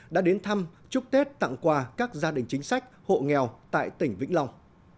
đã đến thăm chúc tết tặng quà các gia đình chính sách hộ nghèo tại tỉnh vĩnh long